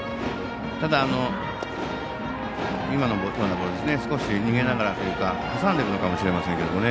ただ、今のボールは少し逃げながらというか挟んでいるかもしれませんが。